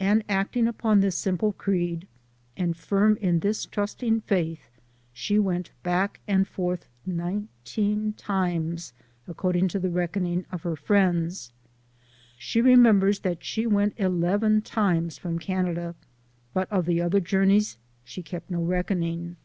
And acting upon this simple creed, and firm in this trusting faith, she went back and forth nineteen times, according to the reckoning of her friends. She remembers that she went eleven times from Canada, but of the other journeys she kept no reck oning.